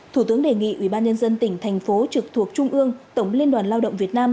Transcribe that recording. thủ tướng đề nghị ubnd tỉnh thành phố trực thuộc trung ương tổng liên đoàn lao động việt nam